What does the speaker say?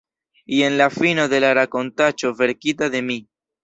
Jen la fino de la rakontaĉo verkita de mi.